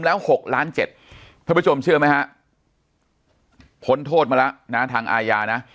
แล้ว๖ล้าน๗ท่านผู้ชมเชื่อไหมฮะพ้นโทษมาแล้วนะทางอาญานะ